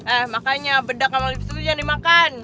eh makanya bedak sama lipstick itu jangan dimakan